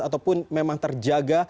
ataupun memang terjaga